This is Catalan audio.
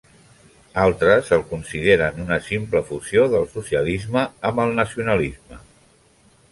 Altres el consideren una simple fusió del socialisme amb el nacionalisme.